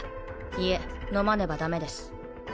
いえ飲まねばダメです。